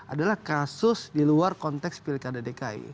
adalah kasus di luar konteks pilkada dki